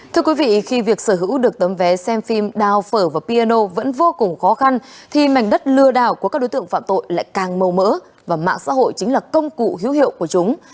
thưa quý vị khi việc sở hữu được tấm vé xem phim đào phở và piano vẫn vô cùng khó khăn thì mảnh đất lừa đảo của các đối tượng phạm tội lại càng mâu mỡ và mạng xã hội chính là công cụ hữu hiệu của chúng